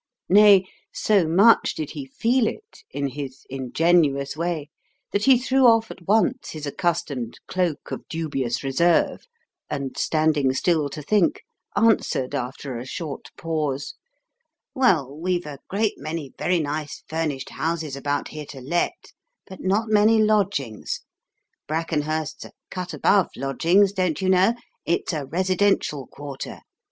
Nay, so much did he feel it in his ingenuous way that he threw off at once his accustomed cloak of dubious reserve, and, standing still to think, answered after a short pause, "Well, we've a great many very nice furnished houses about here to let, but not many lodgings. Brackenhurst's a cut above lodgings, don't you know; it's a residential quarter.